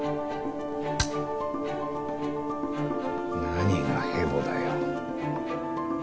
何がヘボだよ。